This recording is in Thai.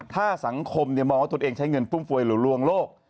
ถ้าสังคมมองว่าตนเองใช้เงินฟุ่มฟวยหรือลวงโลก